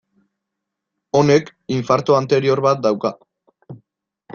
Honek infarto anterior bat dauka.